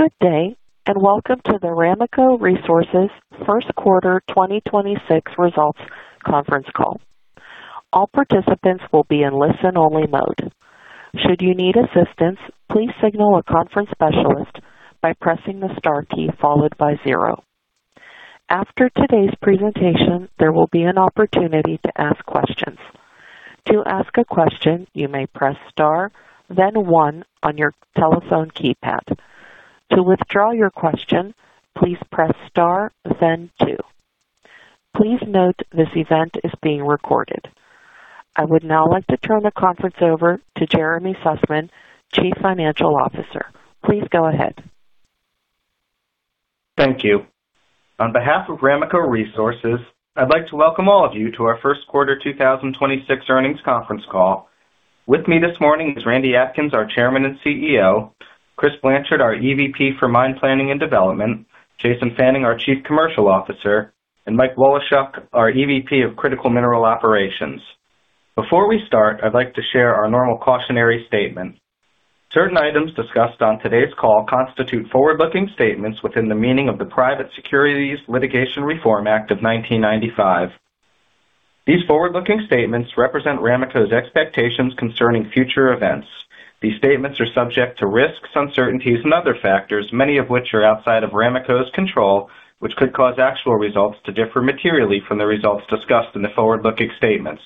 Good day, and welcome to the Ramaco Resources First Quarter 2026 Results Conference Call. All participants will be in listen-only mode. Should you need assistance please signal a conference specialist by pressing the star key followed by zero. After today's presentation there will be an opportunity to ask questions. To ask a question you may press star then one on your telephone keypad. To withdraw your question please press star then two. Please note this event is being recorded. Thank you. On behalf of Ramaco Resources, I'd like to welcome all of you to our first quarter 2026 earnings conference call. With me this morning is Randy Atkins, our Chairman and CEO, Chris Blanchard, our EVP for Mine Planning and Development, Jason Fannin, our Chief Commercial Officer, and Mike Woloschuk, our EVP of Critical Mineral Operations. Before we start, I'd like to share our normal cautionary statement. Certain items discussed on today's call constitute forward-looking statements within the meaning of the Private Securities Litigation Reform Act of 1995. These forward-looking statements represent Ramaco's expectations concerning future events. These statements are subject to risks, uncertainties, and other factors, many of which are outside of Ramaco's control, which could cause actual results to differ materially from the results discussed in the forward-looking statements.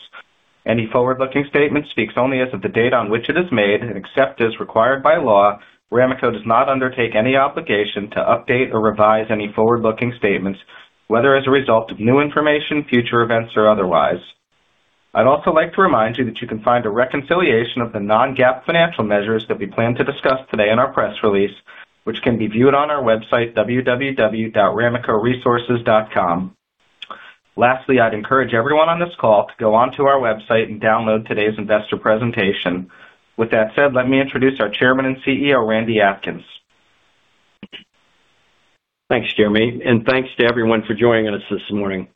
Any forward-looking statement speaks only as of the date on which it is made. Except as required by law, Ramaco does not undertake any obligation to update or revise any forward-looking statements, whether as a result of new information, future events, or otherwise. I'd also like to remind you that you can find a reconciliation of the non-GAAP financial measures that we plan to discuss today in our press release, which can be viewed on our website, www.ramacoresources.com. Lastly, I'd encourage everyone on this call to go onto our website and download today's investor presentation. With that said, let me introduce our Chairman and CEO, Randy Atkins. Thanks, Jeremy, and thanks to everyone for joining us this morning.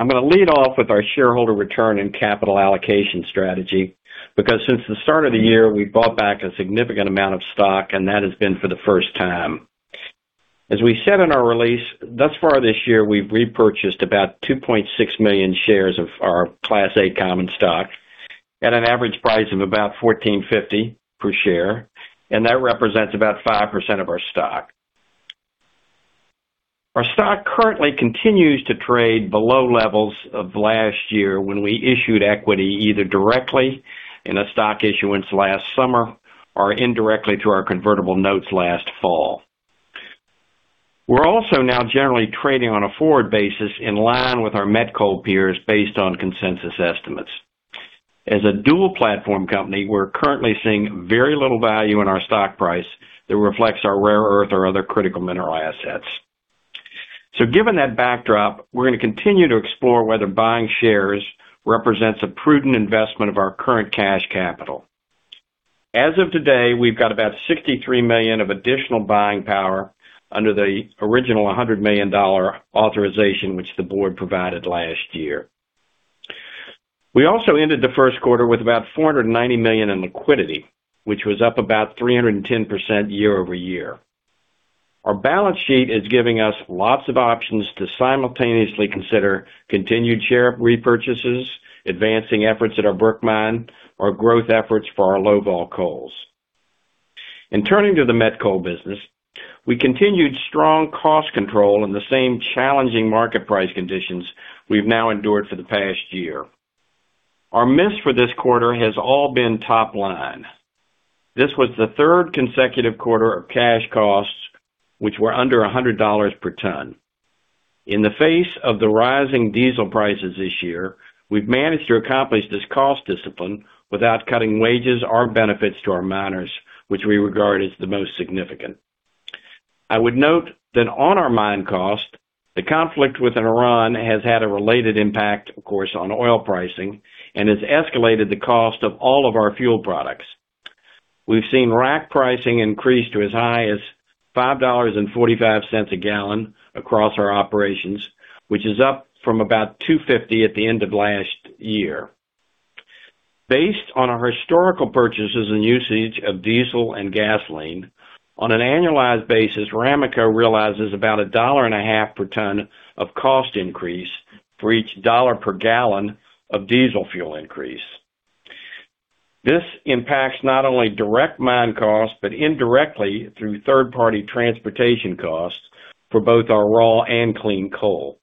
I'm gonna lead off with our shareholder return and capital allocation strategy, because since the start of the year, we've bought back a significant amount of stock, and that has been for the first time. As we said in our release, thus far this year, we've repurchased about 2.6 million shares of our Class A common stock at an average price of about $14.50 per share, and that represents about 5% of our stock. Our stock currently continues to trade below levels of last year when we issued equity either directly in a stock issuance last summer or indirectly through our convertible notes last fall. We're also now generally trading on a forward basis in line with our met coal peers based on consensus estimates. As a dual-platform company, we're currently seeing very little value in our stock price that reflects our rare earth or other critical mineral assets. Given that backdrop, we're gonna continue to explore whether buying shares represents a prudent investment of our current cash capital. As of today, we've got about $63 million of additional buying power under the original $100 million authorization, which the Board provided last year. We also ended the first quarter with about $490 million in liquidity, which was up about 310% year-over-year. Our balance sheet is giving us lots of options to simultaneously consider continued share repurchases, advancing efforts at our Brook Mine, or growth efforts for our low-vol coals. In turning to the met coal business, we continued strong cost control in the same challenging market price conditions we've now endured for the past year. Our miss for this quarter has all been top line. This was the third consecutive quarter of cash costs, which were under $100/ton. In the face of the rising diesel prices this year, we've managed to accomplish this cost discipline without cutting wages or benefits to our miners, which we regard as the most significant. I would note that on our mine cost, the conflict within Iran has had a related impact, of course, on oil pricing and has escalated the cost of all of our fuel products. We've seen rack pricing increase to as high as $5.45/gal across our operations, which is up from about $2.50/gal at the end of last year. Based on our historical purchases and usage of diesel and gasoline, on an annualized basis, Ramaco realizes about $1.50/ton of cost increase for each $1/gal of diesel fuel increase. This impacts not only direct mine costs, but indirectly through third-party transportation costs for both our raw and clean coal.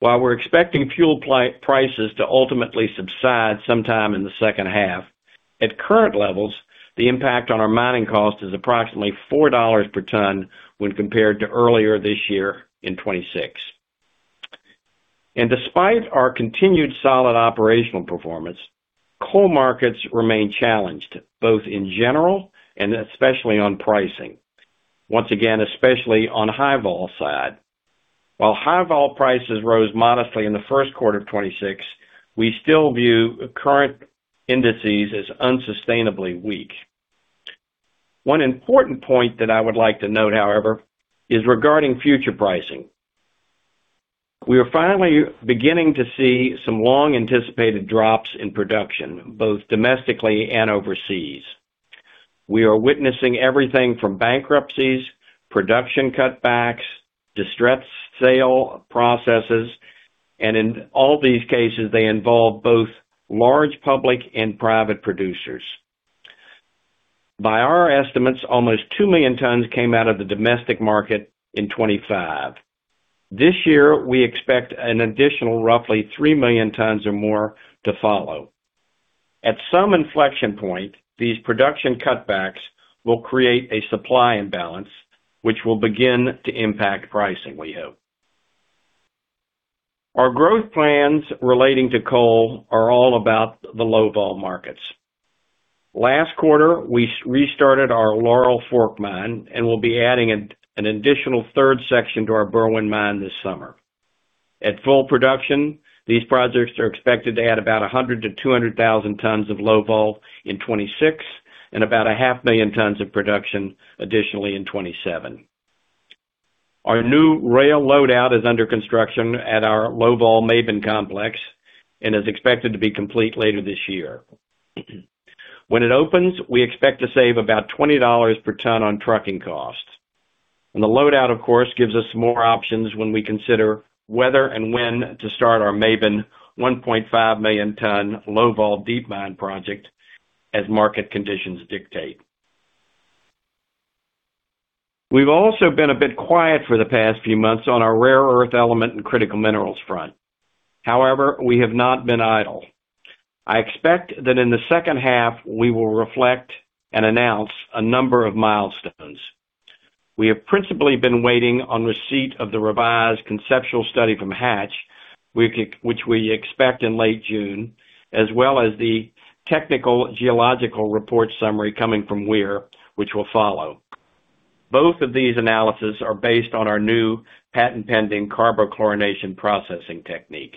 While we're expecting fuel prices to ultimately subside sometime in the second half, at current levels, the impact on our mining cost is approximately $4/ton when compared to earlier this year in 2026. Despite our continued solid operational performance, coal markets remain challenged, both in general and especially on pricing. Once again, especially on high-vol side. While high-vol prices rose modestly in the first quarter of 2026, we still view current indices as unsustainably weak. One important point that I would like to note, however, is regarding future pricing. We are finally beginning to see some long-anticipated drops in production, both domestically and overseas. We are witnessing everything from bankruptcies, production cutbacks, distressed sale processes, and in all these cases, they involve both large public and private producers. By our estimates, almost 2 million tons came out of the domestic market in 2025. This year, we expect an additional roughly 3 million tons or more to follow. At some inflection point, these production cutbacks will create a supply imbalance, which will begin to impact pricing, we hope. Our growth plans relating to coal are all about the low-vol markets. Last quarter, we restarted our Laurel Fork Mine and will be adding an additional third section to our Berwind Mine this summer. At full production, these projects are expected to add about 100,000 tons-200,000 tons of low-vol in 2026 and about half million tons of production additionally in 2027. Our new rail loadout is under construction at our low-vol Maben complex and is expected to be complete later this year. When it opens, we expect to save about $20/ton on trucking costs. The load out, of course, gives us more options when we consider whether and when to start our Maben 1.5 million ton low-vol deep mine project as market conditions dictate. We've also been a bit quiet for the past few months on our rare earth element and critical minerals front. However, we have not been idle. I expect that in the second half, we will reflect and announce a number of milestones. We have principally been waiting on receipt of the revised conceptual study from Hatch, which we expect in late June, as well as the technical geological report summary coming from Weir, which will follow. Both of these analyses are based on our new patent-pending carbochlorination processing technique.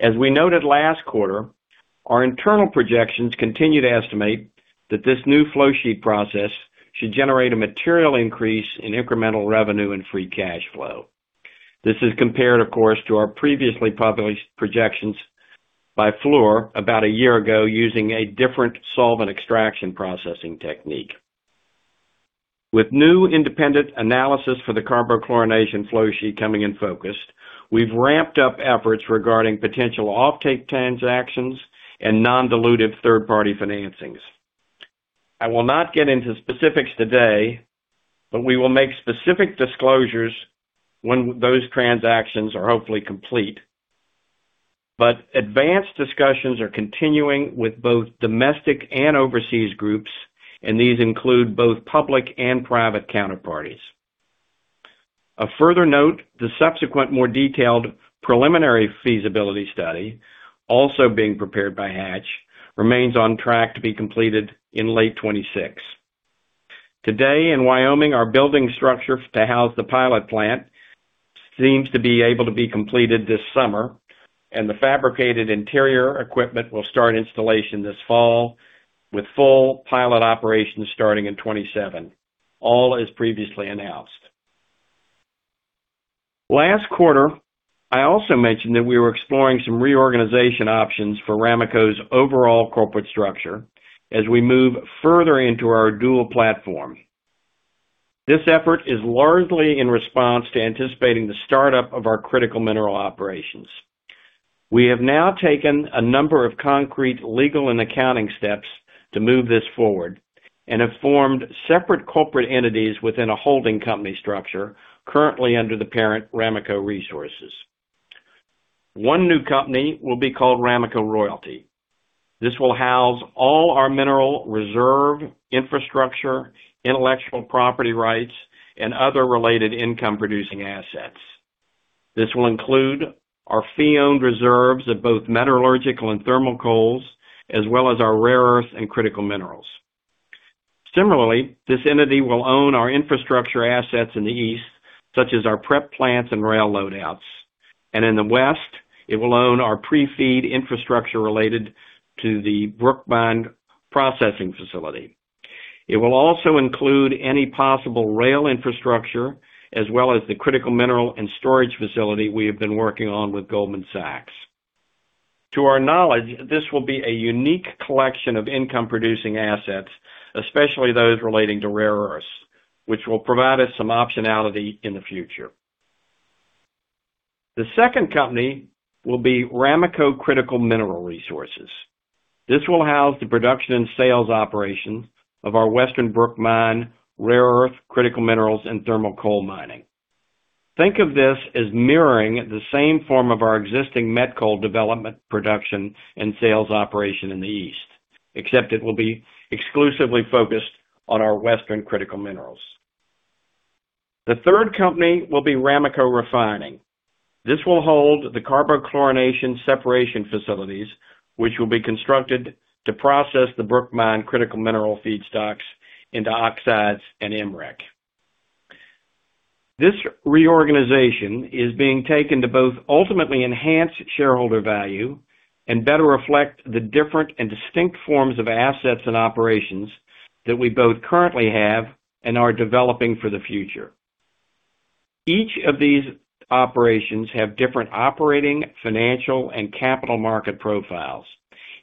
As we noted last quarter, our internal projections continue to estimate that this new flow sheet process should generate a material increase in incremental revenue and free cash flow. This is compared, of course, to our previously published projections by Fluor about a year ago using a different solvent extraction processing technique. With new independent analysis for the carbochlorination flow sheet coming in focused, we've ramped up efforts regarding potential offtake transactions and non-dilutive third-party financings. I will not get into specifics today, but we will make specific disclosures when those transactions are hopefully complete. Advanced discussions are continuing with both domestic and overseas groups, and these include both public and private counterparties. A further note, the subsequent more detailed preliminary feasibility study, also being prepared by Hatch, remains on track to be completed in late 2026. Today in Wyoming, our building structure to house the pilot plant seems to be able to be completed this summer, and the fabricated interior equipment will start installation this fall, with full pilot operations starting in 2027, all as previously announced. Last quarter, I also mentioned that we were exploring some reorganization options for Ramaco's overall corporate structure as we move further into our dual platform. This effort is largely in response to anticipating the startup of our critical mineral operations. We have now taken a number of concrete legal and accounting steps to move this forward and have formed separate corporate entities within a holding company structure currently under the parent Ramaco Resources. One new company will be called Ramaco Royalty. This will house all our mineral reserve infrastructure, intellectual property rights, and other related income-producing assets. This will include our fee-owned reserves of both metallurgical and thermal coals, as well as our rare earth and critical minerals. Similarly, this entity will own our infrastructure assets in the East, such as our prep plants and rail loadouts. In the West, it will own our pre-FEED infrastructure related to the Brook Mine processing facility. It will also include any possible rail infrastructure, as well as the critical mineral and storage facility we have been working on with Goldman Sachs. To our knowledge, this will be a unique collection of income-producing assets, especially those relating to rare earths, which will provide us some optionality in the future. The second company will be Ramaco Critical Mineral Resources. This will house the production and sales operations of our Western Brook Mine rare earth critical minerals and thermal coal mining. Think of this as mirroring the same form of our existing met coal development, production, and sales operation in the East, except it will be exclusively focused on our Western critical minerals. The third company will be Ramaco Refining. This will hold the carbochlorination separation facilities, which will be constructed to process the Brook Mine critical mineral feedstocks into oxides and MREC. This reorganization is being taken to both ultimately enhance shareholder value and better reflect the different and distinct forms of assets and operations that we both currently have and are developing for the future. Each of these operations have different operating, financial, and capital market profiles,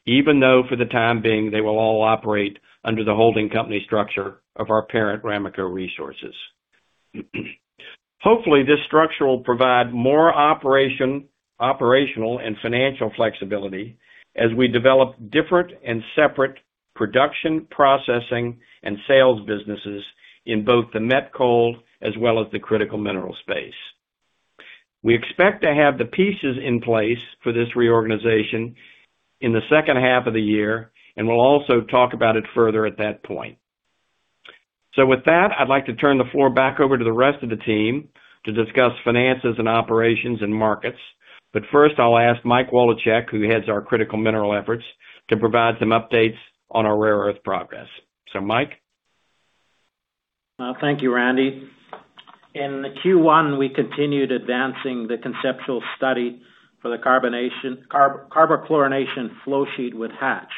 even though for the time being, they will all operate under the holding company structure of our parent, Ramaco Resources. Hopefully, this structure will provide more operational and financial flexibility as we develop different and separate production, processing, and sales businesses in both the met coal as well as the critical mineral space. We expect to have the pieces in place for this reorganization in the second half of the year. We'll also talk about it further at that point. With that, I'd like to turn the floor back over to the rest of the team to discuss finances and operations and markets. First, I'll ask Mike Woloschuk, who heads our critical mineral efforts, to provide some updates on our rare earth progress. Mike? Well, thank you, Randy. In the Q1, we continued advancing the conceptual study for the carbochlorination flow sheet with Hatch.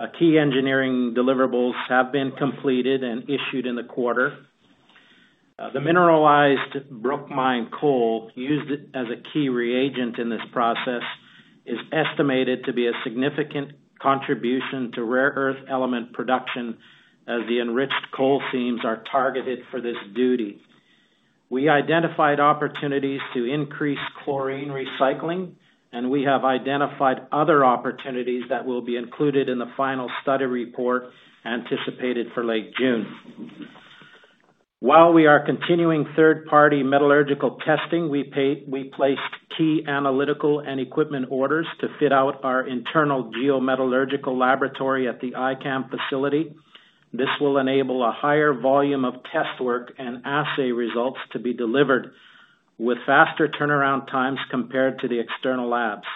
Our key engineering deliverables have been completed and issued in the quarter. The mineralized Brook Mine coal used as a key reagent in this process is estimated to be a significant contribution to rare earth element production as the enriched coal seams are targeted for this duty. We identified opportunities to increase chlorine recycling, and we have identified other opportunities that will be included in the final study report anticipated for late June. While we are continuing third-party metallurgical testing, we placed key analytical and equipment orders to fit out our internal geometallurgical laboratory at the iCAM facility. This will enable a higher volume of test work and assay results to be delivered with faster turnaround times compared to the external labs.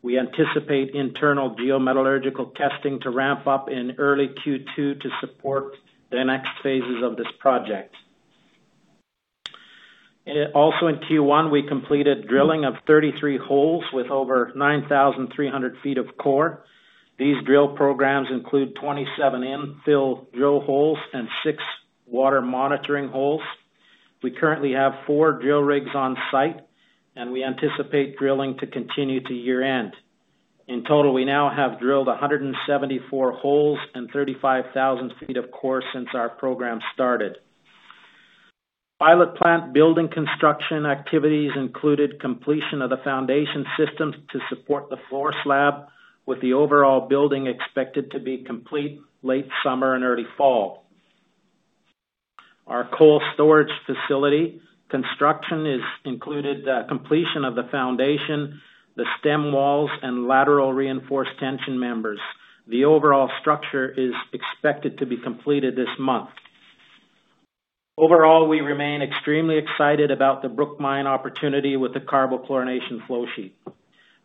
We anticipate internal geometallurgical testing to ramp up in early Q2 to support the next phases of this project. In Q1, we completed drilling of 33 holes with over 9,300 ft of core. These drill programs include 27 infill drill holes and six water monitoring holes. We currently have four drill rigs on site, and we anticipate drilling to continue to year-end. In total, we now have drilled 174 holes and 35,000 ft of core since our program started. Pilot plant building construction activities included completion of the foundation systems to support the floor slab with the overall building expected to be complete late summer and early fall. Our coal storage facility construction is included, completion of the foundation, the stem walls, and lateral reinforced tension members. The overall structure is expected to be completed this month. Overall, we remain extremely excited about the Brook Mine opportunity with the carbochlorination flow sheet.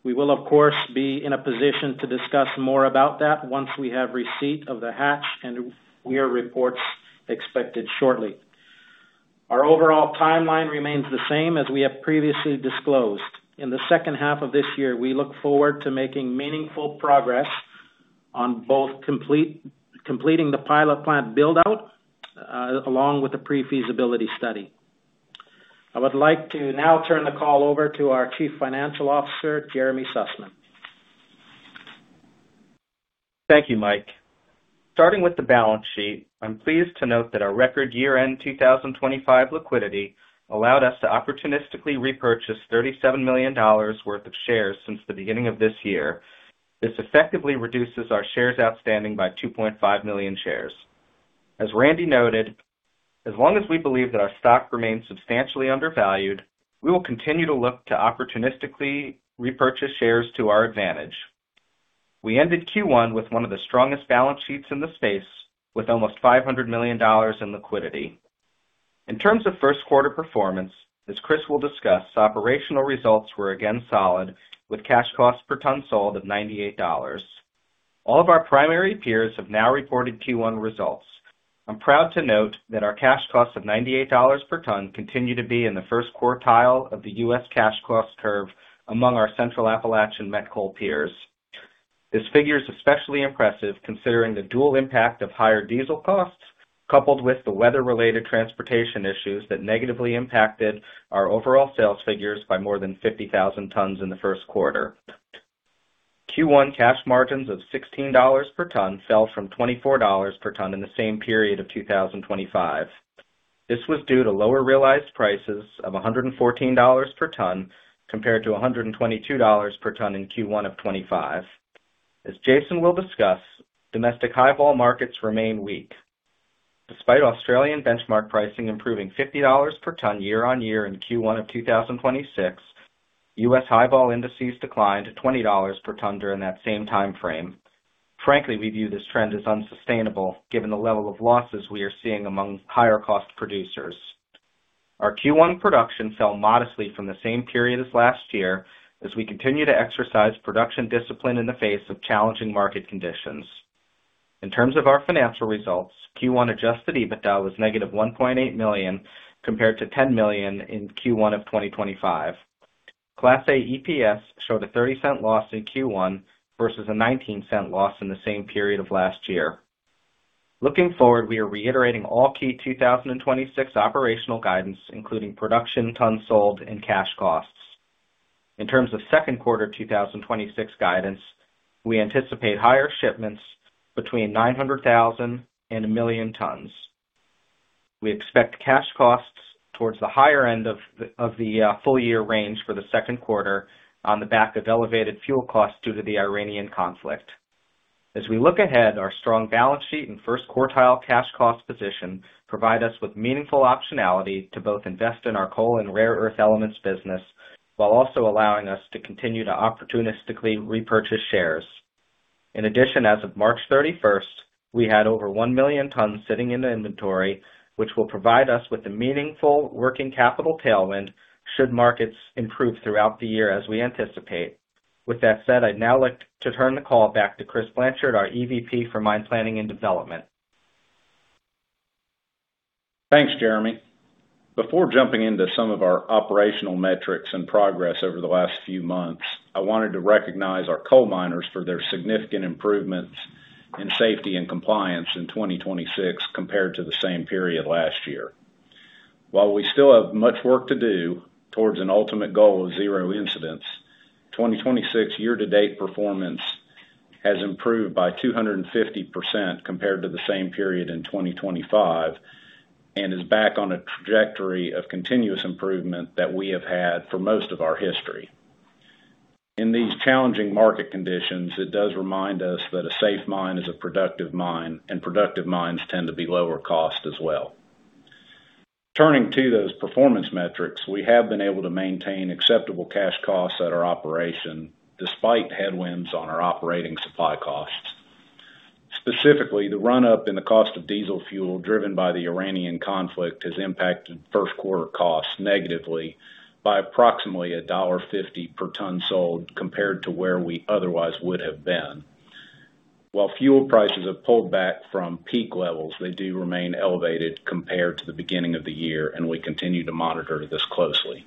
We will, of course, be in a position to discuss more about that once we have receipt of the Hatch and Weir reports expected shortly. Our overall timeline remains the same as we have previously disclosed. In the second half of this year, we look forward to making meaningful progress on both completing the pilot plant build-out, along with the pre-feasibility study. I would like to now turn the call over to our Chief Financial Officer, Jeremy Sussman. Thank you, Mike. Starting with the balance sheet, I'm pleased to note that our record year-end 2025 liquidity allowed us to opportunistically repurchase $37 million worth of shares since the beginning of this year. This effectively reduces our shares outstanding by 2.5 million shares. As Randy noted, as long as we believe that our stock remains substantially undervalued, we will continue to look to opportunistically repurchase shares to our advantage. We ended Q1 with one of the strongest balance sheets in the space, with almost $500 million in liquidity. In terms of first quarter performance, as Chris will discuss, operational results were again solid with cash costs per ton sold of $98. All of our primary peers have now reported Q1 results. I'm proud to note that our cash costs of $98/ton continue to be in the first quartile of the U.S. cash cost curve among our Central Appalachian met coal peers. This figure is especially impressive considering the dual impact of higher diesel costs, coupled with the weather-related transportation issues that negatively impacted our overall sales figures by more than 50,000 tons in the first quarter. Q1 cash margins of $16/ton fell from $24/ton in the same period of 2025. This was due to lower realized prices of $114/ton, compared to $122/ton in Q1 of 2025. As Jason will discuss, domestic high-vol markets remain weak. Despite Australian benchmark pricing improving $50/ton year-on-year in Q1 of 2026, US high-vol indices declined to $20/ton during that same timeframe. Frankly, we view this trend as unsustainable given the level of losses we are seeing among higher cost producers. Our Q1 production fell modestly from the same period as last year, as we continue to exercise production discipline in the face of challenging market conditions. In terms of our financial results, Q1 adjusted EBITDA was -$1.8 million, compared to $10 million in Q1 of 2025. Class A EPS showed a $0.30 loss in Q1 versus a $0.19 loss in the same period of last year. Looking forward, we are reiterating all key 2026 operational guidance, including production, tons sold, and cash costs. In terms of second quarter 2026 guidance, we anticipate higher shipments between 900,000 tons and 1 million tons. We expect cash costs towards the higher end of the full year range for the second quarter on the back of elevated fuel costs due to the Iranian conflict. As we look ahead, our strong balance sheet and first quartile cash cost position provide us with meaningful optionality to both invest in our coal and rare earth elements business, while also allowing us to continue to opportunistically repurchase shares. As of March 31st, we had over 1 million tons sitting in the inventory, which will provide us with a meaningful working capital tailwind should markets improve throughout the year as we anticipate. With that said, I'd now like to turn the call back to Chris Blanchard, our EVP for Mine Planning and Development. Thanks, Jeremy. Before jumping into some of our operational metrics and progress over the last few months, I wanted to recognize our coal miners for their significant improvements in safety and compliance in 2026 compared to the same period last year. While we still have much work to do towards an ultimate goal of zero incidents, 2026 year-to-date performance has improved by 250% compared to the same period in 2025, and is back on a trajectory of continuous improvement that we have had for most of our history. In these challenging market conditions, it does remind us that a safe mine is a productive mine, and productive mines tend to be lower cost as well. Turning to those performance metrics, we have been able to maintain acceptable cash costs at our operation despite headwinds on our operating supply costs. Specifically, the run-up in the cost of diesel fuel driven by the Iranian conflict has impacted first quarter costs negatively by approximately $1.50/ton sold compared to where we otherwise would have been. While fuel prices have pulled back from peak levels, they do remain elevated compared to the beginning of the year, and we continue to monitor this closely.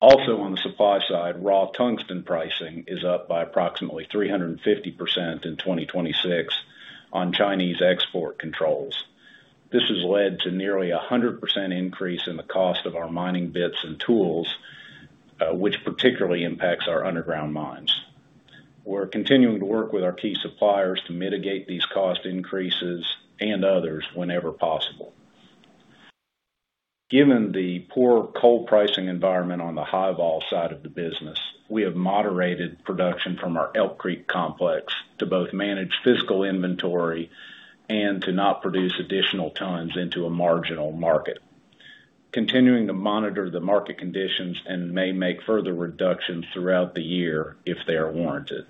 Also, on the supply side, raw tungsten pricing is up by approximately 350% in 2026 on Chinese export controls. This has led to nearly a 100% increase in the cost of our mining bits and tools, which particularly impacts our underground mines. We're continuing to work with our key suppliers to mitigate these cost increases and others whenever possible. Given the poor coal pricing environment on the high-vol side of the business, we have moderated production from our Elk Creek Complex to both manage physical inventory and to not produce additional tons into a marginal market. We are continuing to monitor the market conditions and may make further reductions throughout the year if they are warranted.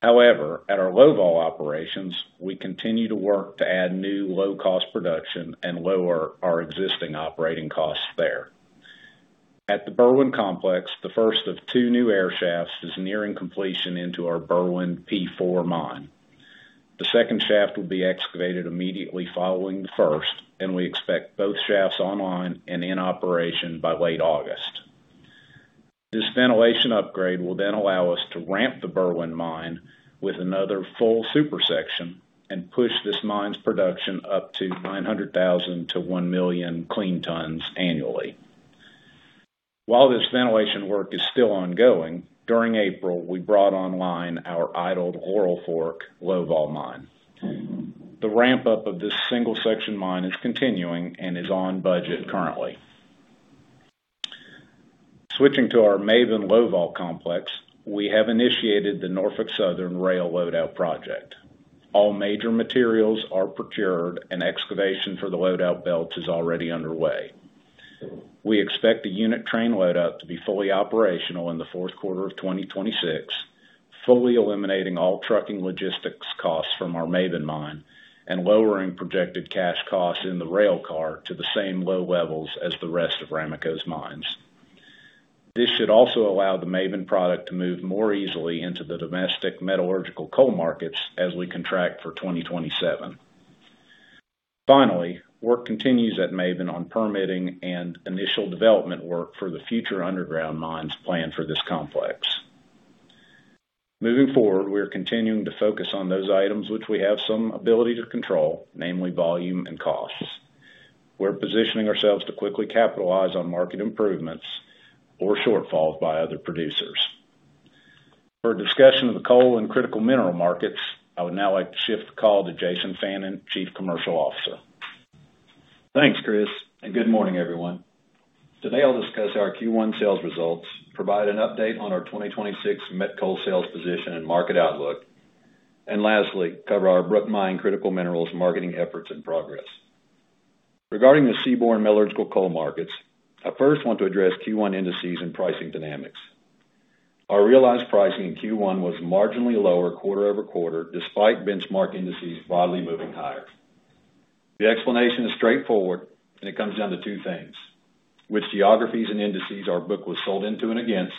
However, at our low-vol operations, we continue to work to add new low-cost production and lower our existing operating costs there. At the Berwind Complex, the first of two new air shafts is nearing completion into our Berwind P4 mine. The second shaft will be excavated immediately following the first, and we expect both shafts online and in operation by late August. This ventilation upgrade will then allow us to ramp the Berwind mine with another full super section and push this mine's production up to 900,000 to 1 million clean tons annually. While this ventilation work is still ongoing, during April, we brought online our idled Laurel Fork low-vol mine. The ramp-up of this single-section mine is continuing and is on budget currently. Switching to our Maben low-vol complex, we have initiated the Norfolk Southern rail load-out project. All major materials are procured and excavation for the load-out belts is already underway. We expect the unit train load-out to be fully operational in the fourth quarter of 2026, fully eliminating all trucking logistics costs from our Maben mine and lowering projected cash costs in the rail car to the same low levels as the rest of Ramaco's mines. This should also allow the Maben product to move more easily into the domestic metallurgical coal markets as we contract for 2027. Work continues at Maben on permitting and initial development work for the future underground mines planned for this complex. Moving forward, we are continuing to focus on those items which we have some ability to control, namely volume and costs. We're positioning ourselves to quickly capitalize on market improvements or shortfalls by other producers. For a discussion of the coal and critical mineral markets, I would now like to shift the call to Jason Fannin, Chief Commercial Officer. Thanks, Chris. Good morning, everyone. Today, I'll discuss our Q1 sales results, provide an update on our 2026 met coal sales position and market outlook, and lastly, cover our Brook Mine critical minerals marketing efforts and progress. Regarding the seaborne metallurgical coal markets, I first want to address Q1 indices and pricing dynamics. Our realized pricing in Q1 was marginally lower quarter-over-quarter, despite benchmark indices broadly moving higher. The explanation is straightforward, and it comes down to two things: which geographies and indices our book was sold into and against,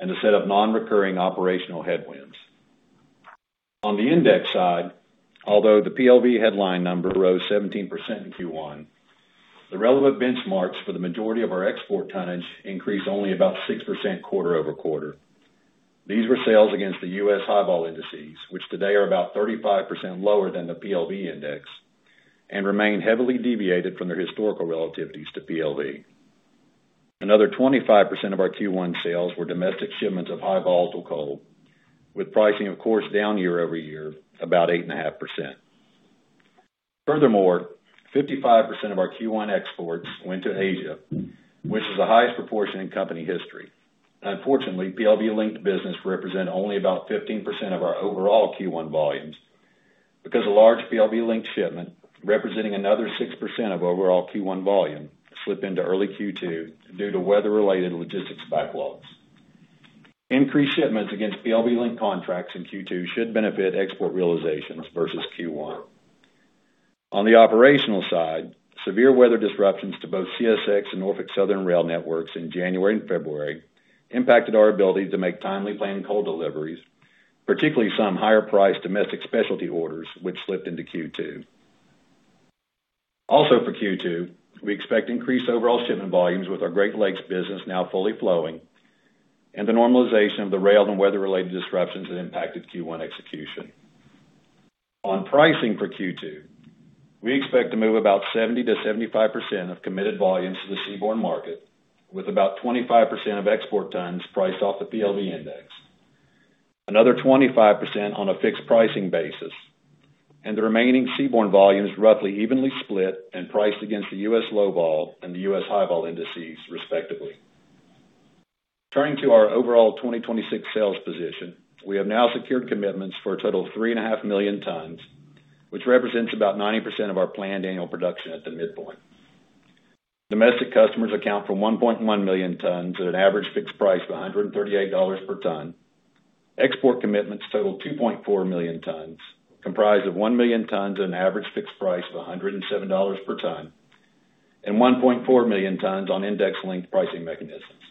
and a set of non-recurring operational headwinds. On the index side, although the PLV headline number rose 17% in Q1, the relevant benchmarks for the majority of our export tonnage increased only about 6% quarter-over-quarter. These were sales against the US high-vol indices, which today are about 35% lower than the PLV index and remain heavily deviated from their historical relativities to PLV. Another 25% of our Q1 sales were domestic shipments of high-volatile coal, with pricing, of course, down year-over-year about 8.5%. 55% of our Q1 exports went to Asia, which is the highest proportion in company history. PLV-linked business represent only about 15% of our overall Q1 volumes because a large PLV-linked shipment representing another 6% of overall Q1 volume slipped into early Q2 due to weather-related logistics backlogs. Increased shipments against PLV-linked contracts in Q2 should benefit export realizations versus Q1. On the operational side, severe weather disruptions to both CSX and Norfolk Southern rail networks in January and February impacted our ability to make timely planned coal deliveries, particularly some higher-priced domestic specialty orders, which slipped into Q2. Also for Q2, we expect increased overall shipment volumes with our Great Lakes business now fully flowing and the normalization of the rail and weather-related disruptions that impacted Q1 execution. On pricing for Q2, we expect to move about 70%-75% of committed volumes to the seaborne market, with about 25% of export tons priced off the PLV index. Another 25% on a fixed pricing basis and the remaining seaborne volumes roughly evenly split and priced against the US low-vol and the US high-vol indices, respectively. Turning to our overall 2026 sales position, we have now secured commitments for a total of 3.5 million tons, which represents about 90% of our planned annual production at the midpoint. Domestic customers account for 1.1 million tons at an average fixed price of $138/ton. Export commitments total 2.4 million tons, comprised of 1 million tons at an average fixed price of $107/ton and 1.4 million tons on index-linked pricing mechanisms.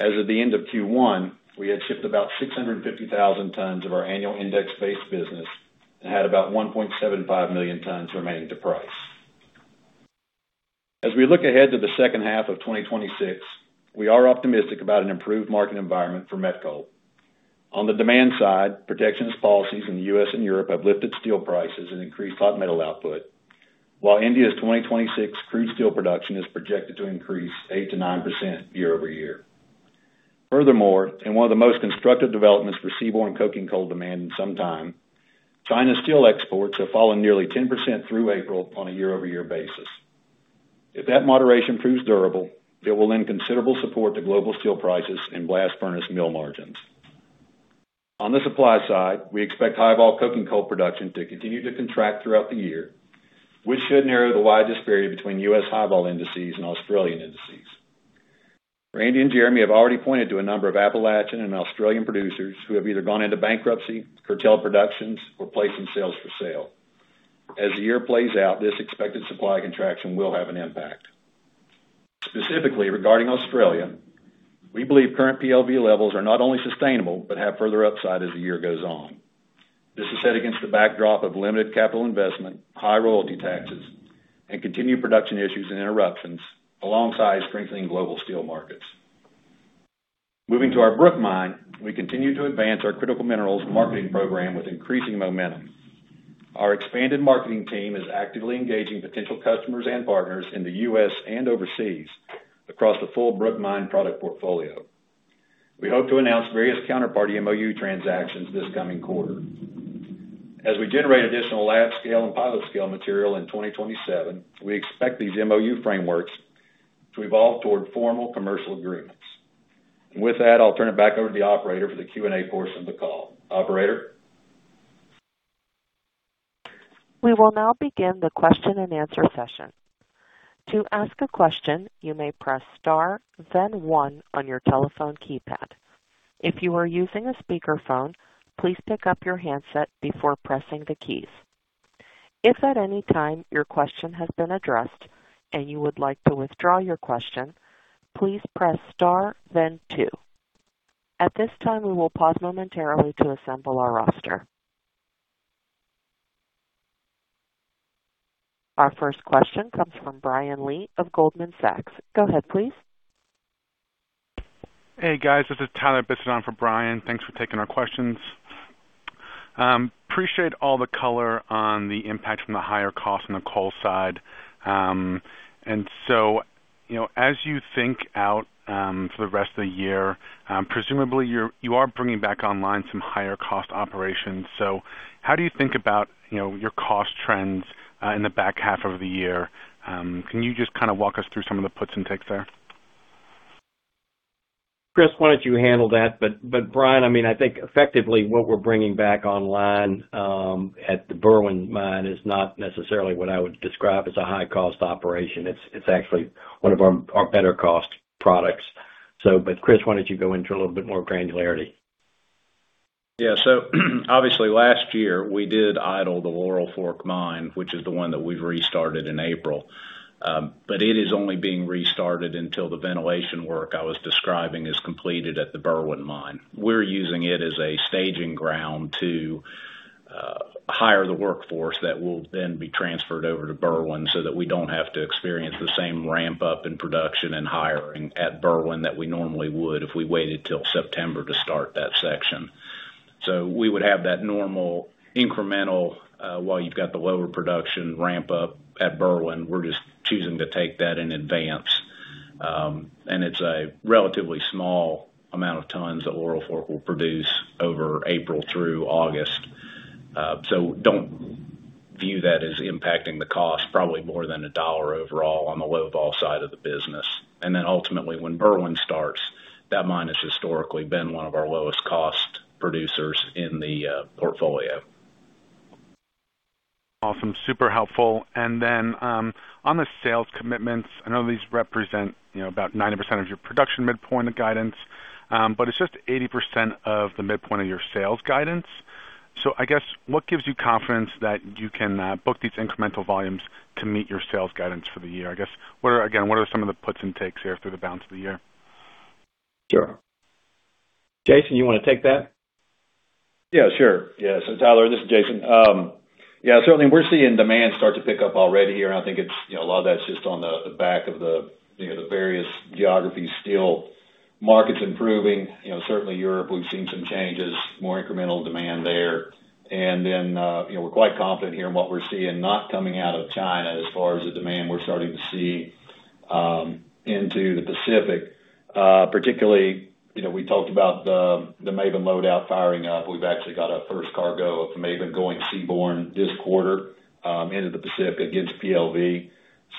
As of the end of Q1, we had shipped about 650,000 tons of our annual index-based business and had about 1.75 million tons remaining to price. As we look ahead to the second half of 2026, we are optimistic about an improved market environment for met coal. On the demand side, protectionist policies in the U.S. and Europe have lifted steel prices and increased hot metal output. While India's 2026 crude steel production is projected to increase 8%-9% year-over-year. In one of the most constructive developments for seaborne coking coal demand in some time, China's steel exports have fallen nearly 10% through April on a year-over-year basis. If that moderation proves durable, it will lend considerable support to global steel prices and blast furnace mill margins. On the supply side, we expect high-vol coking coal production to continue to contract throughout the year, which should narrow the wide disparity between U.S. high-vol indices and Australian indices. Randy and Jeremy have already pointed to a number of Appalachian and Australian producers who have either gone into bankruptcy, curtailed productions, or placed some sales for sale. As the year plays out, this expected supply contraction will have an impact. Specifically regarding Australia, we believe current PLV levels are not only sustainable but have further upside as the year goes on. This is set against the backdrop of limited capital investment, high royalty taxes, and continued production issues and interruptions alongside strengthening global steel markets. Moving to our Brook Mine, we continue to advance our critical minerals marketing program with increasing momentum. Our expanded marketing team is actively engaging potential customers and partners in the U.S. and overseas across the full Brook Mine product portfolio. We hope to announce various counterparty MOU transactions this coming quarter. As we generate additional lab scale and pilot scale material in 2027, we expect these MOU frameworks to evolve toward formal commercial agreements. With that, I'll turn it back over to the operator for the Q&A portion of the call. Operator? We will now begin the question-and-answer session. To ask a question, you may press star then one on your telephone keypad. If you are using a speakerphone, please pick up your handset before pressing the keys. If at any time your question has been addressed and you would like to withdraw your question, please press star then two. At this time, we will pause momentarily to assemble our roster. Our first question comes from Brian Lee of Goldman Sachs. Go ahead, please. Hey, guys, this is Tyler Bisset for Brian. Thanks for taking our questions. Appreciate all the color on the impact from the higher cost on the coal side. You know, as you think out for the rest of the year, presumably you are bringing back online some higher cost operations. How do you think about, you know, your cost trends in the back half of the year? Can you just kind of walk us through some of the puts and takes there? Chris, why don't you handle that? Brian, I mean, I think effectively what we're bringing back online at the Berwind Mine is not necessarily what I would describe as a high-cost operation. It's actually one of our better cost products. Chris, why don't you go into a little bit more granularity? Yeah. Obviously last year we did idle the Laurel Fork Mine, which is the one that we've restarted in April. It is only being restarted until the ventilation work I was describing is completed at the Berwind Mine. We're using it as a staging ground to hire the workforce that will then be transferred over to Berwind so that we don't have to experience the same ramp up in production and hiring at Berwind that we normally would if we waited till September to start that section. We would have that normal incremental, while you've got the lower production ramp up at Berwind, we're just choosing to take that in advance. It's a relatively small amount of tons that Laurel Fork will produce over April through August. Don't view that as impacting the cost probably more than $1 overall on the low-ball side of the business. Ultimately, when Berwind starts, that mine has historically been one of our lowest cost producers in the portfolio. Awesome. Super helpful. On the sales commitments, I know these represent, you know, about 90% of your production midpoint of guidance, but it's just 80% of the midpoint of your sales guidance. What gives you confidence that you can book these incremental volumes to meet your sales guidance for the year? I guess, again, what are some of the puts and takes here through the balance of the year? Sure. Jason, you wanna take that? Yeah, sure. Yes. Tyler, this is Jason. Yeah, certainly we're seeing demand start to pick up already here, and I think it's, you know, a lot of that's just on the back of the, you know, the various geographies, steel markets improving. You know, certainly Europe, we've seen some changes, more incremental demand there. You know, we're quite confident here in what we're seeing not coming out of China as far as the demand we're starting to see, into the Pacific, particularly, you know, we talked about the Maben load-out firing up. We've actually got our first cargo of Maben going seaborne this quarter, into the Pacific against PLV.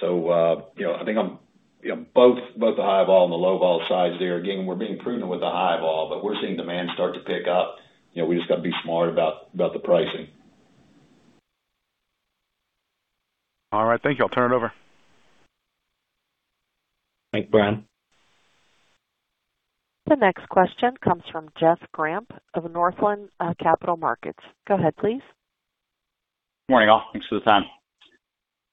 You know, I think I'm, you know, both the high-vol and the low-vol sides there. Again, we're being prudent with the high-vol, but we're seeing demand start to pick up. You know, we just got to be smart about the pricing. All right. Thank you. I'll turn it over. Thanks, Brian. The next question comes from Jeff Grampp of Northland Capital Markets. Go ahead please. Morning, all. Thanks for the time.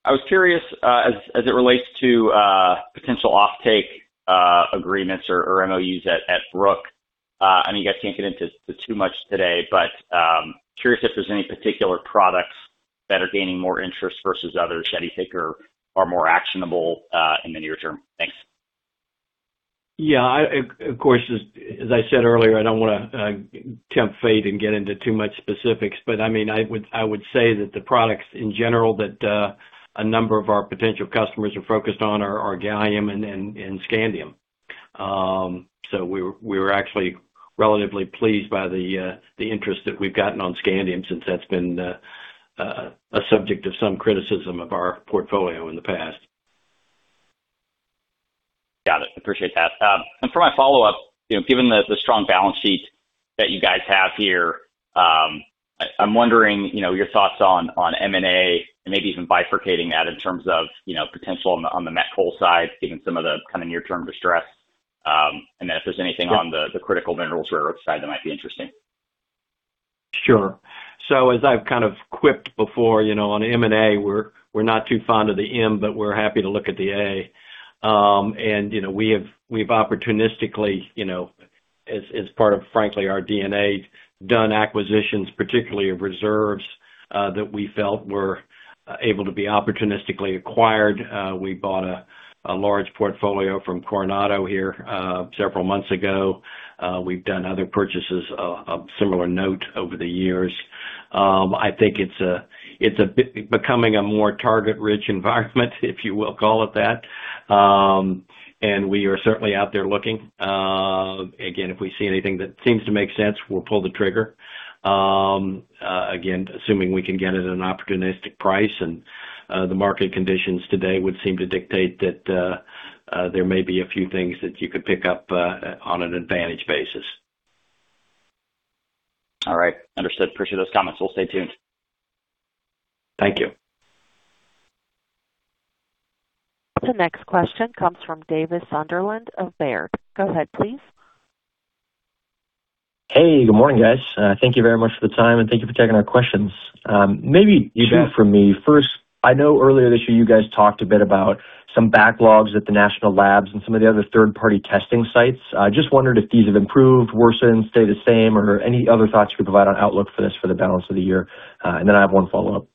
I was curious as it relates to potential offtake agreements or MOUs at Brook. I know you guys can't get into the too much today, but curious if there's any particular products that are gaining more interest versus others that you think are more actionable in the near term. Thanks. Yeah. I, of course, as I said earlier, I don't wanna tempt fate and get into too much specifics, but I mean, I would say that the products in general that a number of our potential customers are focused on are gallium and scandium. We were actually relatively pleased by the interest that we've gotten on scandium since that's been a subject of some criticism of our portfolio in the past. Got it. Appreciate that. For my follow-up, you know, given the strong balance sheet that you guys have here, I'm wondering, you know, your thoughts on M&A and maybe even bifurcating that in terms of, you know, potential on the met coal side, given some of the kind of near-term distress, and then if there's anything on the critical minerals reserve side that might be interesting. Sure. As I've kind of quipped before, you know, on M&A, we're not too fond of the M, but we're happy to look at the A. You know, we've opportunistically, you know, as part of, frankly, our DNA, done acquisitions, particularly of reserves that we felt were able to be opportunistically acquired. We bought a large portfolio from Coronado here several months ago. We've done other purchases of similar note over the years. I think it's becoming a more target-rich environment if you will call it that. We are certainly out there looking. Again, if we see anything that seems to make sense, we'll pull the trigger. Again, assuming we can get it at an opportunistic price, and the market conditions today would seem to dictate that, there may be a few things that you could pick up, on an advantage basis. All right. Understood. Appreciate those comments. We'll stay tuned. Thank you. The next question comes from Davis Sunderland of Baird. Go ahead please. Hey, good morning, guys. Thank you very much for the time, and thank you for taking our questions. Maybe you two for me. First, I know earlier this year, you guys talked a bit about some backlogs at the national labs and some of the other third-party testing sites. I just wondered if these have improved, worsened, stayed the same, or any other thoughts you could provide on outlook for this for the balance of the year. Then I have 1 follow-up.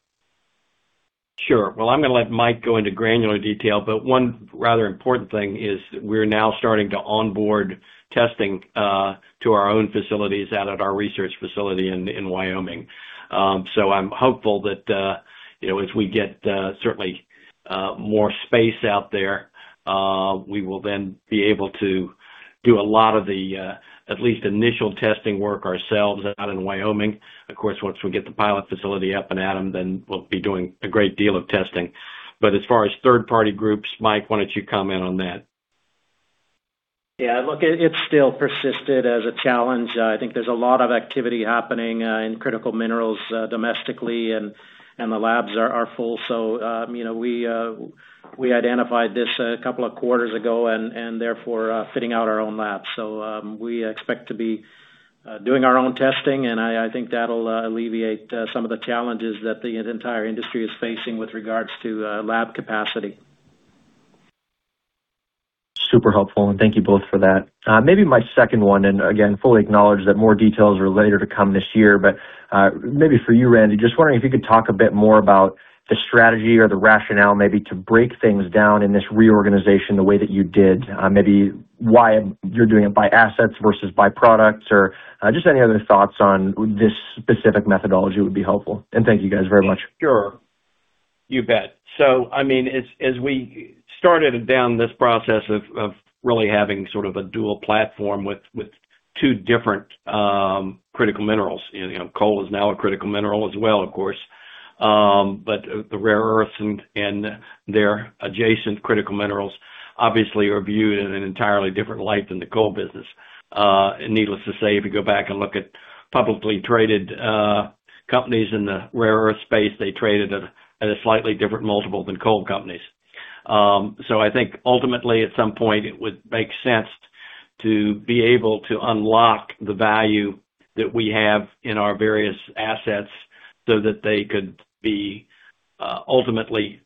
Sure. Well, I'm gonna let Mike go into granular detail, but one rather important thing is we're now starting to onboard testing to our own facilities out at our research facility in Wyoming. I'm hopeful that, you know, as we get certainly more space out there, we will then be able to do a lot of the at least initial testing work ourselves out in Wyoming. Of course, once we get the pilot facility up and at 'em, then we'll be doing a great deal of testing. As far as third-party groups, Mike, why don't you comment on that? Look, it's still persisted as a challenge. I think there's a lot of activity happening in critical minerals domestically and the labs are full. You know, we identified this a couple of quarters ago and therefore, fitting out our own labs. Doing our own testing, and I think that'll alleviate some of the challenges that the entire industry is facing with regards to lab capacity. Super helpful, and thank you both for that. Maybe my second one, again, fully acknowledge that more details are later to come this year. Maybe for you, Randy, just wondering if you could talk a bit more about the strategy or the rationale maybe to break things down in this reorganization the way that you did, maybe why you're doing it by assets versus by products or, just any other thoughts on this specific methodology would be helpful. Thank you guys very much. Sure. You bet. I mean, as we started down this process of really having sort of a dual platform with two different critical minerals, you know, coal is now a critical mineral as well, of course. The rare earths and their adjacent critical minerals obviously are viewed in an entirely different light than the coal business. Needless to say, if you go back and look at publicly traded companies in the rare earth space, they traded at a slightly different multiple than coal companies. I think ultimately at some point it would make sense to be able to unlock the value that we have in our various assets so that they could be ultimately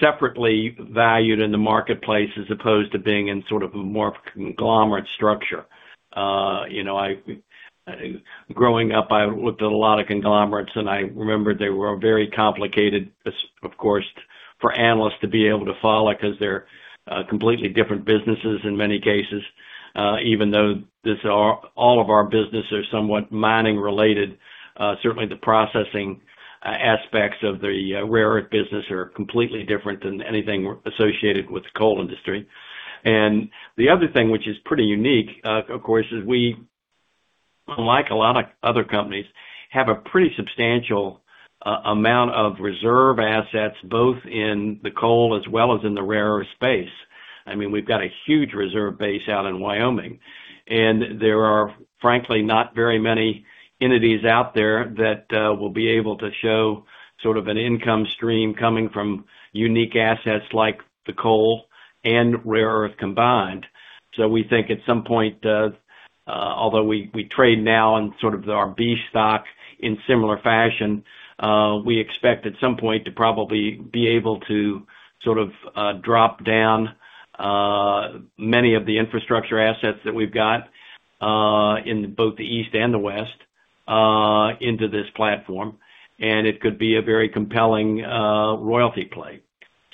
separately valued in the marketplace as opposed to being in sort of a more conglomerate structure. You know, growing up, I looked at a lot of conglomerates, and I remembered they were very complicated, as of course, for analysts to be able to follow because they're completely different businesses in many cases. Even though all of our business are somewhat mining related, certainly the processing aspects of the rare earth business are completely different than anything associated with the coal industry. The other thing, which is pretty unique, of course, is we, unlike a lot of other companies, have a pretty substantial amount of reserve assets both in the coal as well as in the rare earth space. I mean, we've got a huge reserve base out in Wyoming. There are, frankly, not very many entities out there that will be able to show sort of an income stream coming from unique assets like the coal and rare earth combined. We think at some point, although we trade now in sort of our B-Stock in similar fashion, we expect at some point to probably be able to sort of drop down many of the infrastructure assets that we've got in both the East and the West into this platform, and it could be a very compelling royalty play.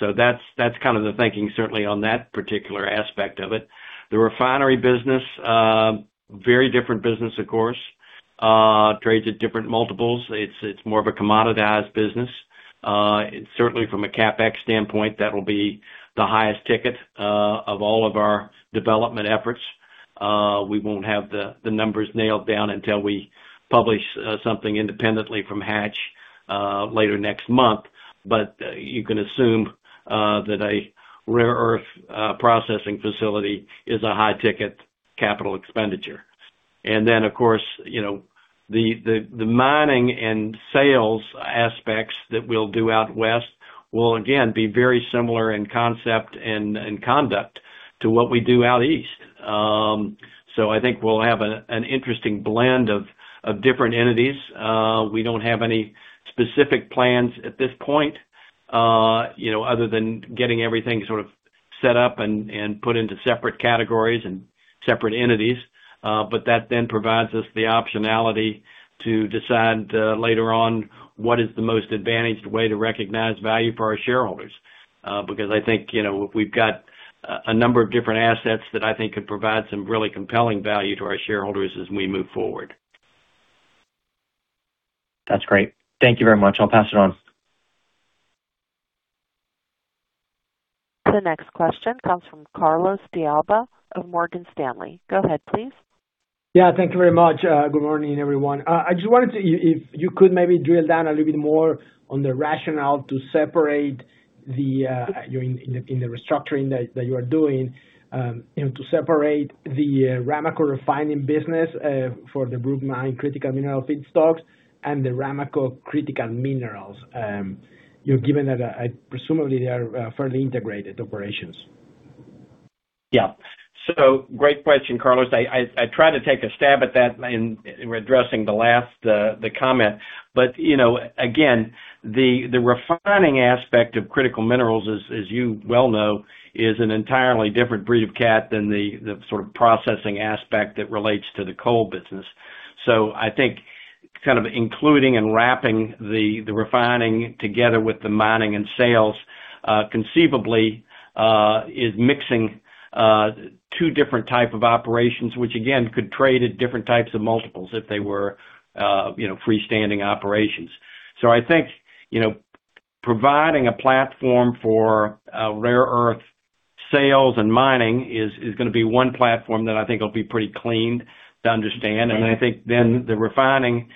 That's kind of the thinking, certainly on that particular aspect of it. The refinery business, very different business, of course, trades at different multiples. It's more of a commoditized business. Certainly from a CapEx standpoint, that'll be the highest ticket of all of our development efforts. We won't have the numbers nailed down until we publish something independently from Hatch later next month. You can assume that a rare earth processing facility is a high-ticket capital expenditure. Then, of course, you know, the mining and sales aspects that we'll do out West will again be very similar in concept and conduct to what we do out East. I think we'll have an interesting blend of different entities. We don't have any specific plans at this point, you know, other than getting everything sort of set up and put into separate categories and separate entities. That then provides us the optionality to decide later on what is the most advantaged way to recognize value for our shareholders. I think, you know, we've got a number of different assets that I think could provide some really compelling value to our shareholders as we move forward. That's great. Thank you very much. I'll pass it on. The next question comes from Carlos De Alba of Morgan Stanley. Go ahead, please. Yeah, thank you very much. Good morning, everyone. If you could maybe drill down a little bit more on the rationale to separate in the restructuring that you are doing, you know, to separate the Ramaco Refining Business for the Brook Mine critical mineral feedstocks and the Ramaco Critical Minerals, you know, given that presumably they are fairly integrated operations. Yeah. Great question, Carlos. I tried to take a stab at that in addressing the last comment. You know, again, the refining aspect of critical minerals, as you well know, is an entirely different breed of cat than the sort of processing aspect that relates to the coal business. I think kind of including and wrapping the refining together with the mining and sales, conceivably, is mixing two different type of operations, which again, could trade at different types of multiples if they were, you know, freestanding operations. I think, you know, providing a platform for rare earth sales and mining is gonna be one platform that I think will be pretty clean to understand. I think the Refining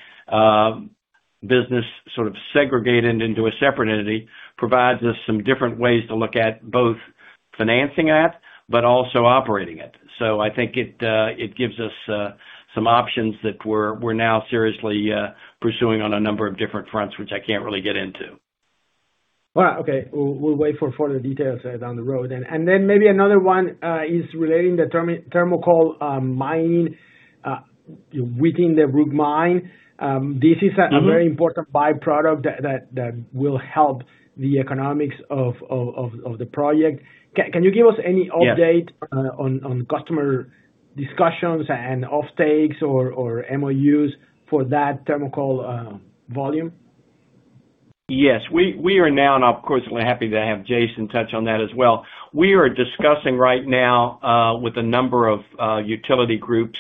business sort of segregated into a separate entity provides us some different ways to look at both financing it, but also operating it. I think it gives us some options that we're now seriously pursuing on a number of different fronts, which I can't really get into. Well, okay. We'll wait for further details, down the road then. Then maybe another one, is relating the thermal coal, mining, within the Brook Mine. This is a very important byproduct that will help the economics of the project. Can you give us any update? Yeah on customer discussions and offtakes or MOUs for that thermal coal volume? Yes. We are now, and of course, we're happy to have Jason touch on that as well. We are discussing right now with a number of utility groups,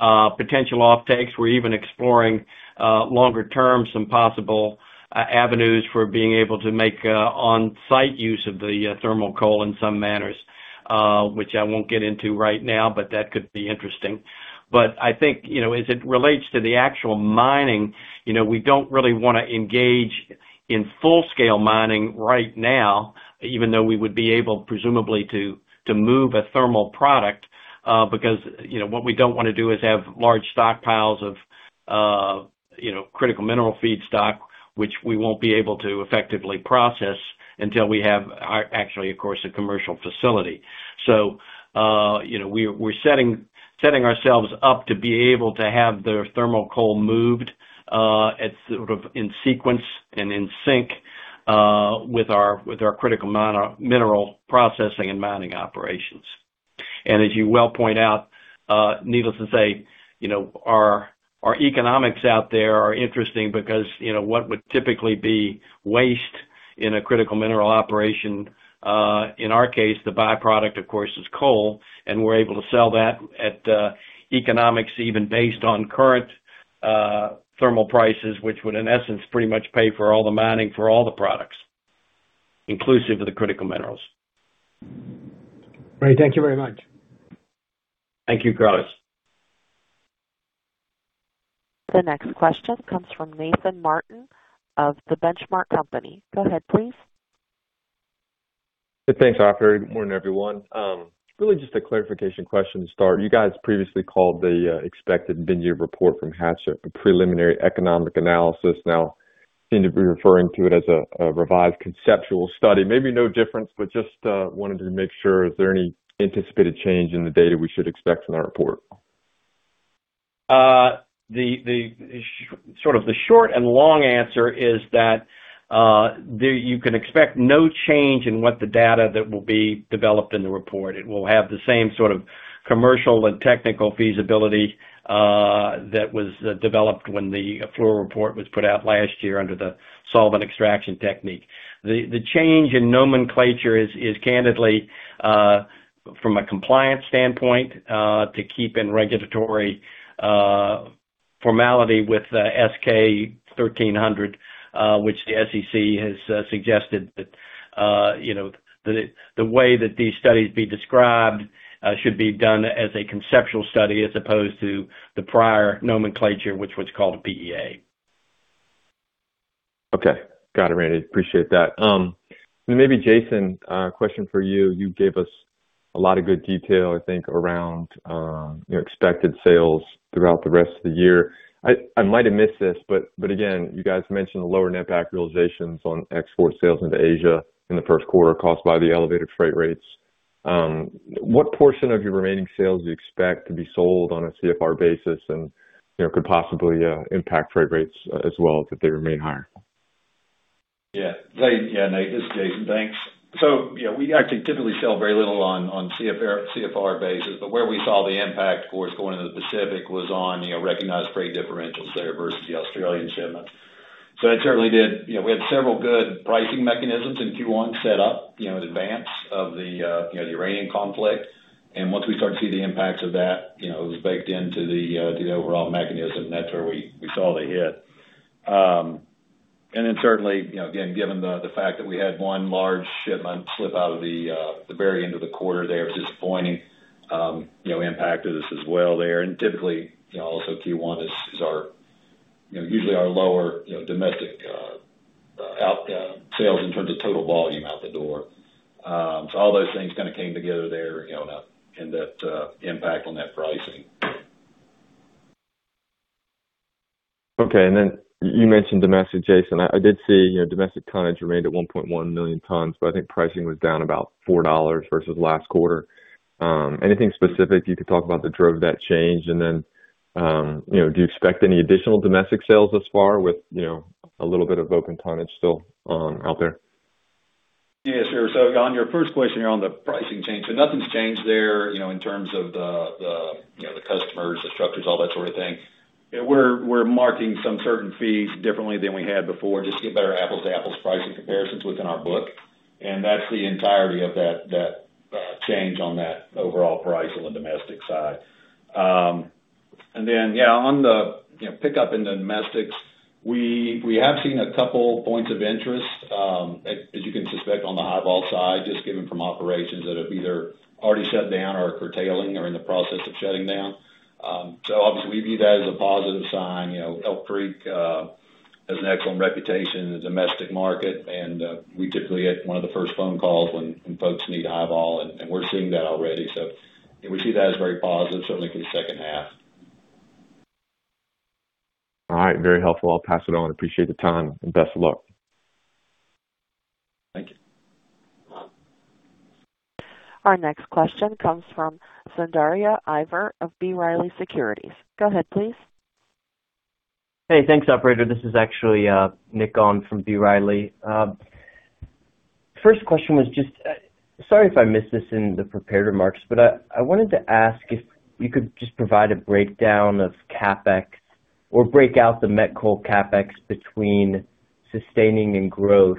potential offtakes. We're even exploring longer term, some possible avenues for being able to make on-site use of the thermal coal in some manners, which I won't get into right now. That could be interesting. I think, you know, as it relates to the actual mining, you know, we don't really wanna engage in full scale mining right now, even though we would be able, presumably to move a thermal product, because, you know, what we don't wanna do is have large stockpiles of, you know, critical mineral feedstock, which we won't be able to effectively process until we have our actually, of course, a commercial facility. You know, we're setting ourselves up to be able to have the thermal coal moved at sort of in sequence and in sync with our critical mineral processing and mining operations. As you well point out, needless to say, you know, our economics out there are interesting because, you know, what would typically be waste in a critical mineral operation, in our case, the byproduct, of course, is coal, and we're able to sell that at economics even based on current thermal prices, which would, in essence, pretty much pay for all the mining for all the products, inclusive of the critical minerals. Great. Thank you very much. Thank you, Carlos. The next question comes from Nathan Martin of The Benchmark Company. Go ahead, please. Thanks, operator. Good morning, everyone. Really just a clarification question to start. You guys previously called the expected mid-year report from Hatch a Preliminary Economic Assessment. Now seem to be referring to it as a revised conceptual study. Maybe no difference, but just wanted to make sure if there are any anticipated change in the data we should expect in that report. The sort of the short and long answer is that you can expect no change in what the data that will be developed in the report. It will have the same sort of commercial and technical feasibility that was developed when the Fluor report was put out last year under the solvent extraction technique. The change in nomenclature is candidly from a compliance standpoint to keep in regulatory formality with the S-K 1300, which the SEC has suggested that, you know, the way that these studies be described should be done as a conceptual study as opposed to the prior nomenclature, which was called a PEA. Okay. Got it, Randy. Appreciate that. Maybe Jason, a question for you. You gave us a lot of good detail, I think, around, you know, expected sales throughout the rest of the year. I might have missed this, but again, you guys mentioned the lower net back realizations on export sales into Asia in the first quarter caused by the elevated freight rates. What portion of your remaining sales do you expect to be sold on a CFR basis and, you know, could possibly impact freight rates as well if they remain higher? Yeah, Nate, this is Jason. Thanks. You know, we actually typically sell very little on CFR basis, but where we saw the impact, of course, going into the Pacific was on, you know, recognized freight differentials there versus the Australian shipments. It certainly did. You know, we had several good pricing mechanisms in Q1 set up, you know, in advance of the Iranian conflict. Once we started to see the impacts of that, you know, it was baked into the overall mechanism, and that's where we saw the hit. Certainly, you know, again, given the fact that we had one large shipment slip out of the very end of the quarter there was disappointing, you know, impact to this as well there. Typically, you know, also Q1 is our, you know, usually our lower, you know, domestic, out sales in terms of total volume out the door. All those things kinda came together there, you know, to end up the impact on that pricing. Okay. Then you mentioned domestic, Jason. I did see domestic tonnage remained at 1.1 million tons, but I think pricing was down about $4 versus last quarter. Anything specific you could talk about the drove that change? Then do you expect any additional domestic sales thus far with a little bit of open tonnage still out there? Yes, sir. On your first question here on the pricing change. Nothing's changed there, you know, in terms of the customers, the structures, all that sort of thing. You know, we're marking some certain fees differently than we had before just to get better apples-to-apples pricing comparisons within our book. That's the entirety of that change on that overall price on the domestic side. Yeah, on the, you know, pickup in the domestics, we have seen a couple points of interest, as you can suspect on the high-vol side, just given from operations that have either already shut down or are curtailing or in the process of shutting down. Obviously, we view that as a positive sign. You know, Elk Creek has an excellent reputation in the domestic market, and we typically get one of the first phone calls when folks need a high-vol, and we're seeing that already. We see that as very positive, certainly for the second half. All right. Very helpful. I'll pass it on. Appreciate the time, and best of luck. Thank you. Our next question comes from Soundarya Iyer of B. Riley Securities. Go ahead, please. Thanks, operator. This is actually Nick on from B. Riley. First question was just, sorry if I missed this in the prepared remarks, but I wanted to ask if you could just provide a breakdown of CapEx or break out the met coal CapEx between sustaining and growth.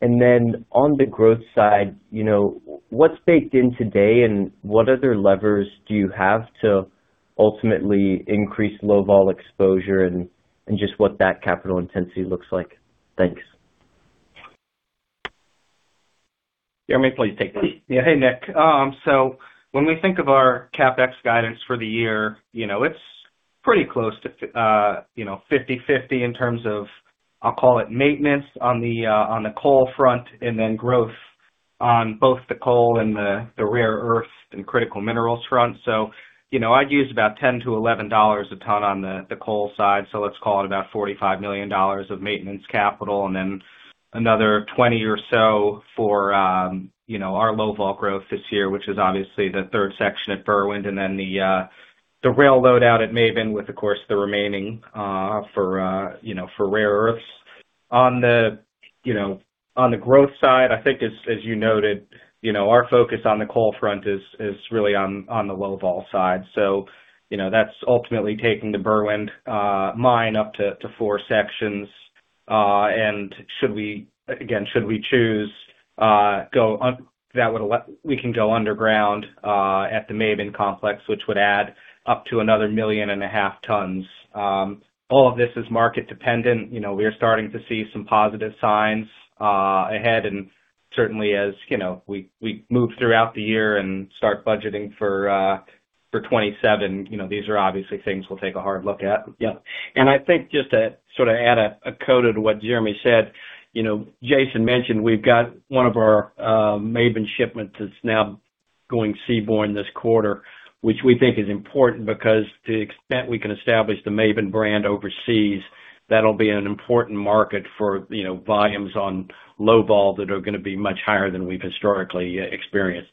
Then on the growth side, you know, what's baked in today and what other levers do you have to ultimately increase low-vol exposure and just what that capital intensity looks like? Thanks. Jeremy, please take this. Hey, Nick. When we think of our CapEx guidance for the year, you know, it's pretty close to 50/50 in terms of, I'll call it maintenance on the coal front and then growth on both the coal and the rare earth and critical minerals front. You know, I'd use about $10-$11 a ton on the coal side, let's call it about $45 million of maintenance capital and then another $20 million or so for, you know, our low-vol growth this year, which is obviously the third section at Berwind and then the rail load out at Maben with, of course, the remaining for, you know, for rare earths. You know, on the growth side, I think as you noted, you know, our focus on the coal front is really on the low-vol side. You know, that's ultimately taking the Berwind mine up to four sections. Should we choose, we can go underground at the Maben complex, which would add up to another 1.5 million tons. All of this is market dependent. You know, we are starting to see some positive signs ahead and certainly as, you know, we move throughout the year and start budgeting for 2027, you know, these are obviously things we'll take a hard look at. Yeah. I think just to sort of add a coda to what Jeremy said, you know, Jason mentioned we've got one of our Maben shipments that's now going seaborne this quarter, which we think is important because to the extent we can establish the Maben brand overseas, that'll be an important market for, you know, volumes on low-vol that are gonna be much higher than we've historically experienced.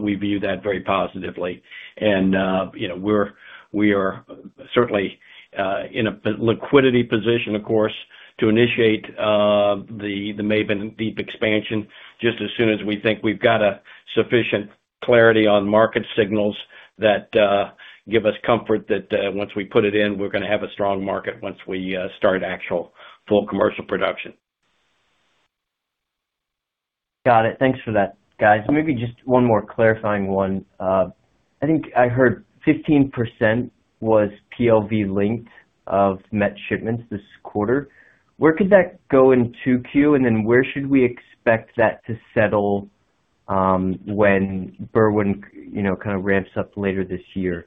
We view that very positively. You know, we are certainly in a liquidity position, of course, to initiate the Maben deep expansion just as soon as we think we've got a sufficient clarity on market signals that give us comfort that once we put it in, we're gonna have a strong market once we start actual full commercial production. Got it. Thanks for that, guys. Maybe just one more clarifying one. I think I heard 15% was PLV linked of met shipments this quarter. Where could that go in 2Q? Where should we expect that to settle, when Berwind, you know, kind of ramps-up later this year?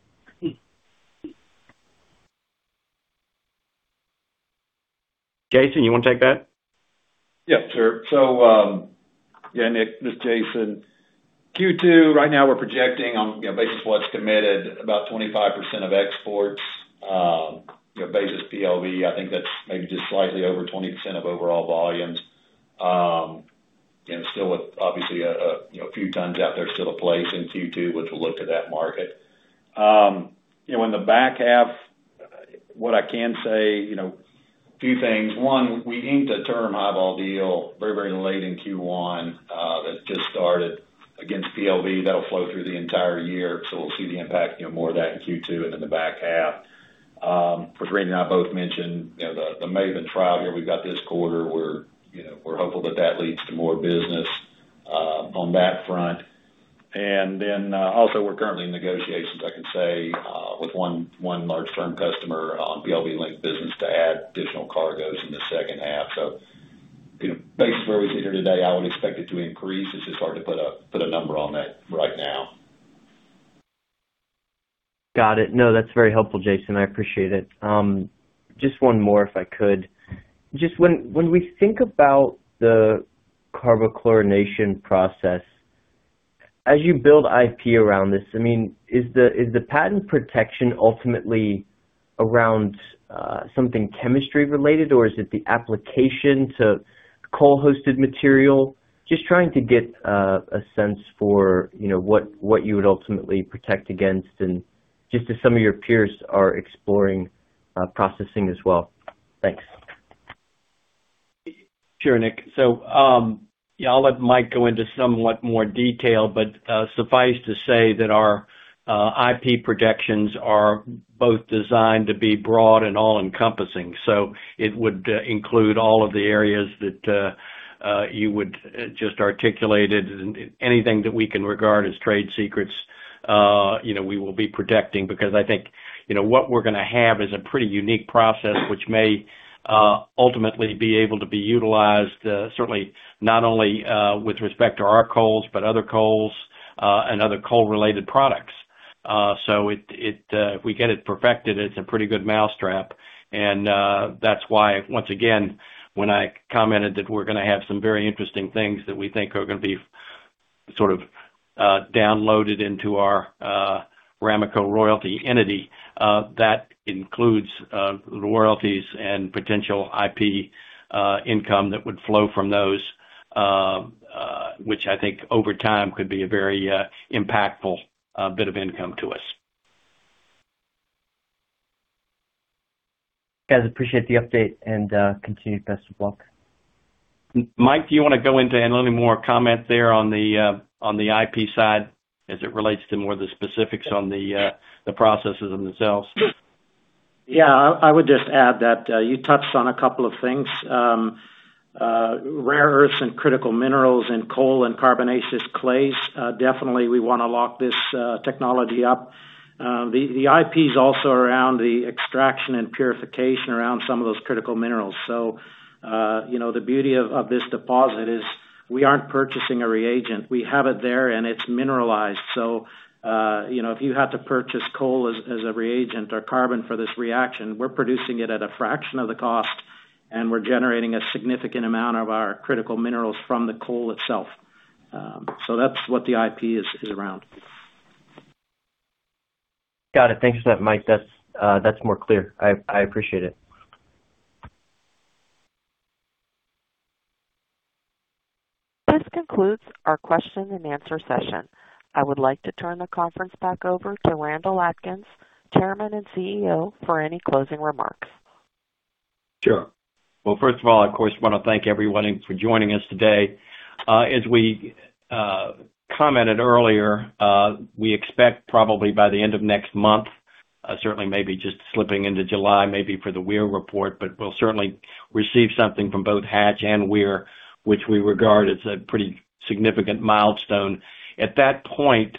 Jason, you wanna take that? Yeah, sure. Yeah, Nick, this Jason. Q2, right now we're projecting on, you know, basis what's committed, about 25% of exports. You know, basis PLV, I think that's maybe just slightly over 20% of overall volumes. Still with obviously, you know, a few tons out there still to place in Q2, which will look to that market. You know, in the back half, what I can say, you know, a few things. One, we inked a term high-vol deal very late in Q1 that just started against PLV. That'll flow through the entire year, we'll see the impact, you know, more of that in Q2 and then the back half. Both Randy and I both mentioned, you know, the Maben trial here we've got this quarter. We're, you know, hopeful that that leads to more business on that front. Also we're currently in negotiations, I can say, with one large term customer on PLV linked business to add additional cargoes in the second half. You know, based where we sit here today, I would expect it to increase. It's just hard to put a number on that right now. Got it. No, that's very helpful, Jason. I appreciate it. Just one more, if I could. Just when we think about the carbochlorination process, as you build IP around this, I mean, is the patent protection ultimately around something chemistry related, or is it the application to coal-hosted material? Just trying to get a sense for, you know, what you would ultimately protect against and just as some of your peers are exploring processing as well. Thanks. Sure, Nick. Yeah, I'll let Mike go into somewhat more detail, but suffice to say that our IP projections are both designed to be broad and all-encompassing. It would include all of the areas that you would just articulated. Anything that we can regard as trade secrets, you know, we will be protecting because I think, you know, what we're gonna have is a pretty unique process which may ultimately be able to be utilized, certainly not only with respect to our coals, but other coals and other coal-related products. It, if we get it perfected, it's a pretty good mousetrap. That's why, once again, when I commented that we're gonna have some very interesting things that we think are gonna be Sort of downloaded into our Ramaco Royalty entity, that includes the royalties and potential IP income that would flow from those, which I think over time could be a very impactful bit of income to us. Guys, appreciate the update and continued best of luck. Mike, do you wanna go into any more comment there on the IP side as it relates to more of the specifics on the processes themselves? Yeah. I would just add that you touched on a couple of things. Rare earth elements and critical minerals in coal and carbonaceous clays, definitely we wanna lock this technology up. The IP's also around the extraction and purification around some of those critical minerals. You know, the beauty of this deposit is we aren't purchasing a reagent. We have it there and it's mineralized. You know, if you had to purchase coal as a reagent or carbon for this reaction, we're producing it at a fraction of the cost, and we're generating a significant amount of our critical minerals from the coal itself. That's what the IP is around. Got it. Thank you for that, Mike. That's more clear. I appreciate it. This concludes our question-and-answer session. I would like to turn the conference back over to Randall Atkins, Chairman and CEO, for any closing remarks. Sure. Well, first of all, I of course wanna thank everyone for joining us today. As we commented earlier, we expect probably by the end of next month, certainly maybe just slipping into July, maybe for the Weir report, but we'll certainly receive something from both Hatch and Weir, which we regard as a pretty significant milestone. At that point,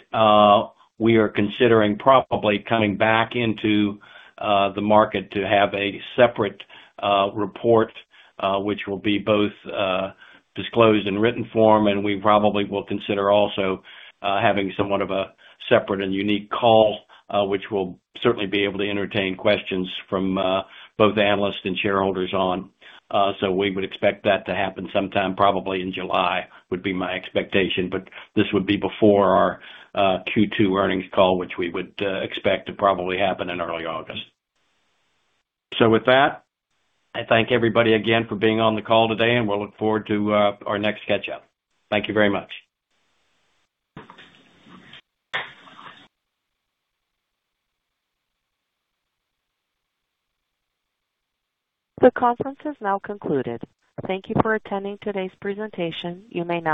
we are considering probably coming back into the market to have a separate report, which will be both disclosed in written form and we probably will consider also having somewhat of a separate and unique call, which we'll certainly be able to entertain questions from both analysts and shareholders on. We would expect that to happen sometime probably in July, would be my expectation. This would be before our Q2 earnings call, which we would expect to probably happen in early August. With that, I thank everybody again for being on the call today, and we'll look forward to our next catch up. Thank you very much. The conference is now concluded. Thank you for attending today's presentation. You may now disconnect.